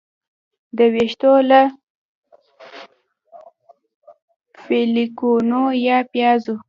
د ویښتو له فولیکونو یا پیازو